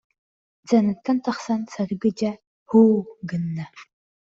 Сценаттан тахсан Саргы дьэ «һуу» гынна